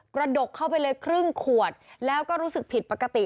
ดกเข้าไปเลยครึ่งขวดแล้วก็รู้สึกผิดปกติ